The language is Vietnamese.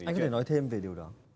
anh có thể nói thêm về điều đó